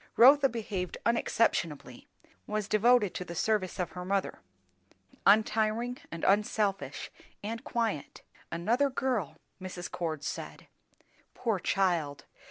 Rotha behaved unexceptionably; was devoted to the service of her mother; untiring, and unselfish, and quiet; "another girl," Mrs. Cord said. Poor child!